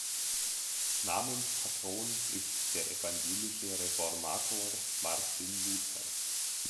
Namenspatron ist der evangelische Reformator Martin Luther.